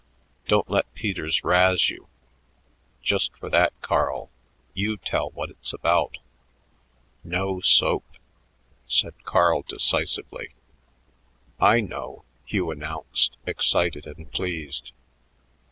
Don't let Peters razz you. Just for that, Carl, you tell what it's about." "No soap," said Carl decisively. "I know," Hugh announced, excited and pleased.